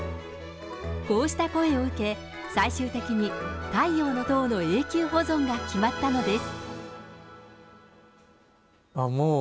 こうした声を受け、最終的に太陽の塔の永久保存が決まったのです。